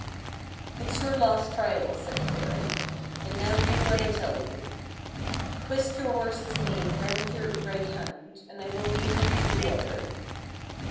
" It's your last trial," said the fairy, " and now do what I tell you. Twist your horse's mane round your right hand, and I will lead him to the water.